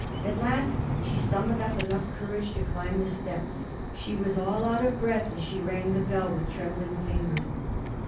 At last she summoned up enough courage to climb the steps. She was all out of breath as she rang the bell with trembling fingers.